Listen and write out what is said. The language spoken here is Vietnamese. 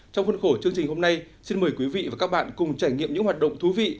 trong khuôn khổ chương trình hôm nay xin mời quý vị và các bạn cùng trải nghiệm những hoạt động thú vị